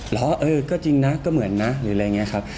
เหรอเออก็จริงนะก็เหมือนนะหรืออะไรอย่างนี้ครับ